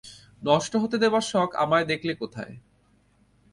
নষ্ট হতে দেবার শখ আমার দেখলে কোথায়।